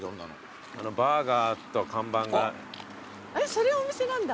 それお店なんだ。